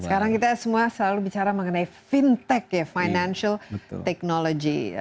sekarang kita semua selalu bicara mengenai fintech ya financial technology